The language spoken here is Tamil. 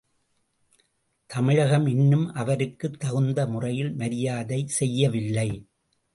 தமிழகம் இன்னும் அவருக்குத் தகுந்த முறையில் மரியாதை செய்யவில்லை.